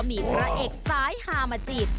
มีพระเอกสายฮามาจีบ